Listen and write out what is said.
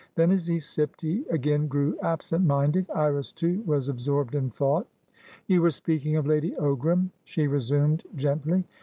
Then, as he sipped, he again grew absent minded. Iris, too, was absorbed in thought. "You were speaking of Lady Ogram," she resumed, gently.